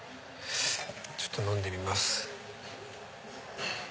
ちょっと飲んでみます。